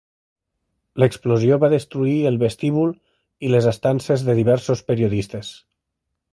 L'explosió va destruir el vestíbul i les estances de diversos periodistes.